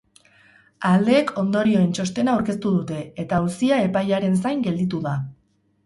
Aldeek ondorioen txostena aurkeztu dute, eta auzia epaiaren zain gelditu da.